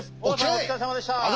お疲れさまでした！